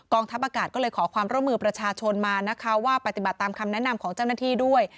ทัพอากาศก็เลยขอความร่วมมือประชาชนมานะคะว่าปฏิบัติตามคำแนะนำของเจ้าหน้าที่ด้วย